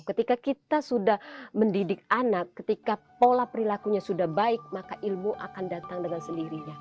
ketika kita sudah mendidik anak ketika pola perilakunya sudah baik maka ilmu akan datang dengan sendirinya